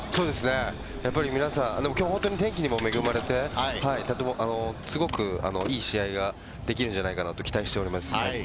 やっぱり皆さん、今日、天気も恵まれて、すごくいい試合ができるんじゃないかなと期待しております。